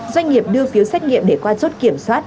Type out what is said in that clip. doanh nghiệp đưa phiếu xét nghiệm để qua chốt kiểm soát